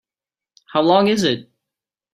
How long is it?